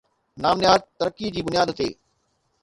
نام نهاد ترقي جي بنياد تي